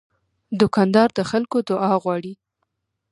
دوکاندار د خلکو دعا غواړي.